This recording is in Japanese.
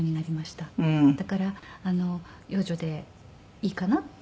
だから「養女でいいかな？」って言うので。